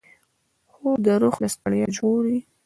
خوب د روح له ستړیا ژغوري